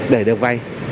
để được vay